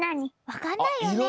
わかんないよね。